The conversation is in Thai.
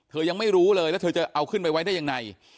ยังไม่รู้เลยแล้วเธอจะเอาขึ้นไปไว้ได้ยังไง